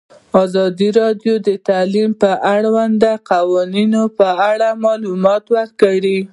ازادي راډیو د تعلیم د اړونده قوانینو په اړه معلومات ورکړي.